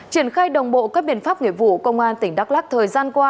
triển khai đồng bộ các biện pháp nghiệp vụ công an tỉnh đắk lắc thời gian qua